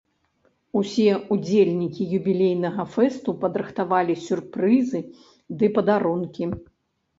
Усе ўдзельнікі юбілейнага фэсту падрыхтавалі сюрпрызы ды падарункі.